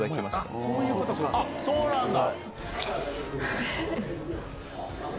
そうなんだ！